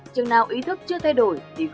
chừng nào ý thức chưa thay đổi thì vô cùng đông đúc